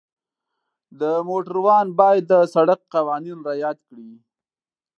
د موټروان باید د سړک قوانین رعایت کړي.